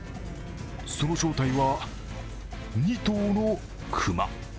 その正体は、２頭の熊。